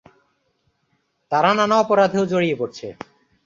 তারা নানা অপরাধেও জড়িয়ে পড়ছে।